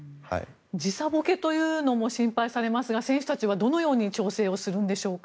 時差ボケというのも心配されますが選手たちはどのように調整をするんでしょうか。